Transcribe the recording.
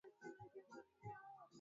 nyumba kuwa na siri